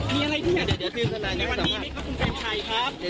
มีอะไรที่อยากเดี๋ยวทีมขนาดนี้ให้สอบภาพคุณเตรียมชัยครับ